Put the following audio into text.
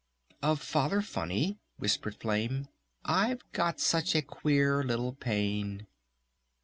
"Of Father Funny," whispered Flame, "I've got such a queer little pain."